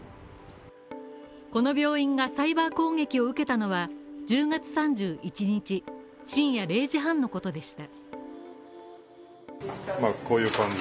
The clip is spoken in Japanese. この病院がサイバー攻撃を受けたのは１０月３１日深夜０時半のことでした。